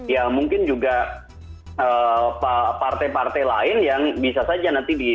ya mungkin juga partai partai lain yang bisa saja nanti di